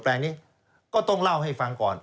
แปลงนี้ก็ต้องเล่าให้ฟังก่อน